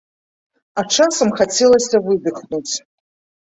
А часам хацелася выдыхнуць.